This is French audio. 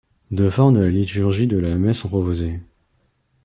Deux formes de la liturgie de la messe sont proposées.